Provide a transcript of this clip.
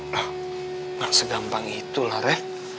loh gak segampang itu lah re